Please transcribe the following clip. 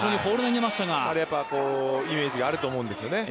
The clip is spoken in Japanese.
イメージがあると思うんですよね。